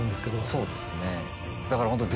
そうですねだからホント。